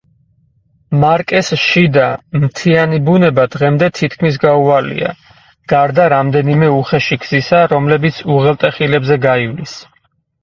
მარკეს შიდა, მთიანი ბუნება დღემდე თითქმის გაუვალია, გარდა რამდენიმე უხეში გზისა, რომლებიც უღელტეხილებზე გაივლის.